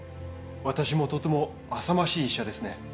私もとてもあさましい医者ですね。